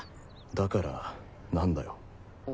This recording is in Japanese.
だから何だよ。